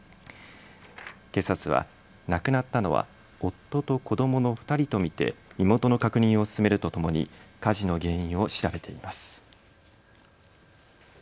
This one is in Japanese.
警察は亡くなったのは夫と子どもの２人と見て身元の確認を進めるとともに火事の原因を調べています。